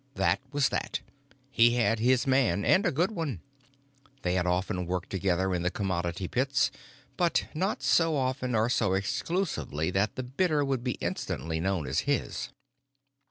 That was that; he had his man, and a good one. They had often worked together in the commodity pits, but not so often or so exclusively that the bidder would be instantly known as his.